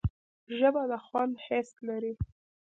ژبه د خوند حس لري